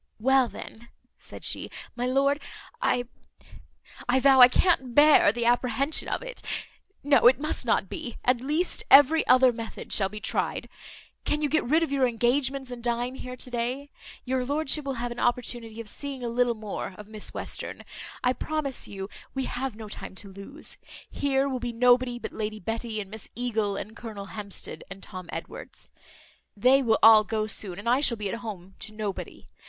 "Well, then," said she, "my lord, I I vow, I can't bear the apprehension of it. No, it must not be. At least every other method shall be tried. Can you get rid of your engagements, and dine here to day? Your lordship will have an opportunity of seeing a little more of Miss Western. I promise you we have no time to lose. Here will be nobody but Lady Betty, and Miss Eagle, and Colonel Hampsted, and Tom Edwards; they will all go soon and I shall be at home to nobody.